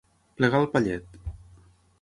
Plegar el pallet.